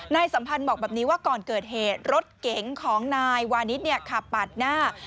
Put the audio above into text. สัมพันธ์บอกแบบนี้ว่าก่อนเกิดเหตุรถเก๋งของนายวานิสขับปากหน้า